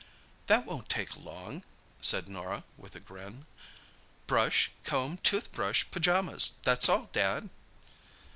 "That won't take long," said Norah, with a grin. "Brush, comb, tooth brush, pyjamas; that's all, Dad!"